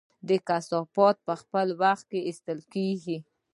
د کثافاتو په خپل وخت ایستل کیږي؟